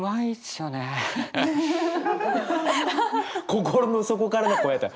心の底からの声やった。